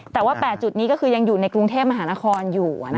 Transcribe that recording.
แต่ว่า๘จุดนี้ก็คือยังอยู่ในกรุงเทพมหานครอยู่